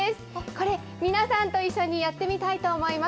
これ、皆さんと一緒にやってみたいと思います。